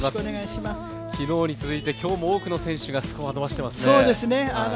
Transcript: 昨日に続いて今日も多くの選手がスコアを伸ばしていますね。